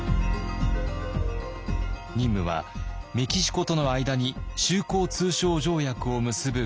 任務はメキシコとの間に修好通商条約を結ぶ交渉。